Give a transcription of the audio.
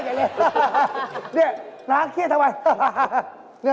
เชฟรักเครียดทำไม